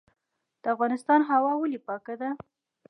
د افغانستان هوا ولې پاکه ده؟